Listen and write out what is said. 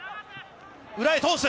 裏へ通す。